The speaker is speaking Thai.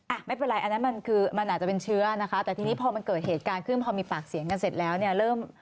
อ่ะไม่เป็นไรอันนั้นมันคือมันอาจจะเป็นเชื้อนะคะแต่ทีนี้พอมันเกิดเหตุการณ์ขึ้นพอมีปากเสียงกันเสร็จแล้วเนี่ยเริ่ม